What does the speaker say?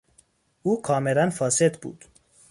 او کاملا فاسد بود.